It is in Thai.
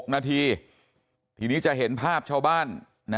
๖นาทีทีนี้จะเห็นภาพชาวบ้าน